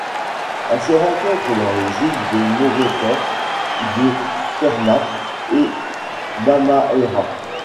Elle se rencontre dans les îles de Morotai, de Ternate et d'Halmahera.